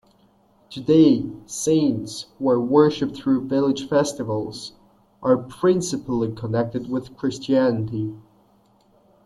Today, saints, who are worshipped through village festivals, are principally connected with Christianity.